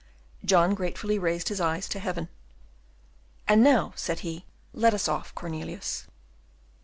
John gratefully raised his eyes to heaven. "And now," said he, "let us off, Cornelius."